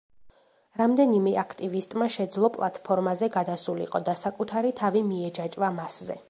რამდენიმე აქტივისტმა შეძლო პლათფორმაზე გადასულიყო და საკუთარი თავი მიეჯაჭვა მასზე.